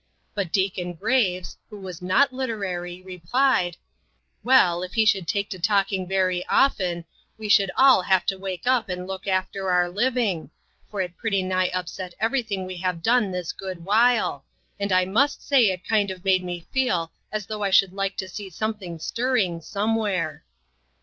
But Deacon Graves, who was not literary, re plied :" Well, if he should take to talking very often, we should all have to wake up and look after our living, for it pretty nigh up set everything we have done this good while, and I must say it kind of made me feel as though I should like to see something stir ring somewhere."